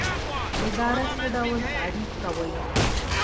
اداره څه ډول تعریف کوئ؟